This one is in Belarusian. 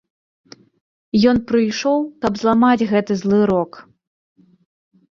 Ён прыйшоў, каб зламаць гэты злы рок.